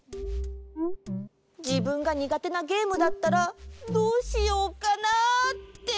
じぶんがにがてなゲームだったらどうしようかなって。